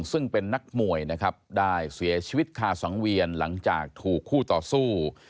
ซึ่งเป็นนักมวยนะครับได้เสียชีวิตคาสังเวียนหลังจากถูกคู่ต่อสู้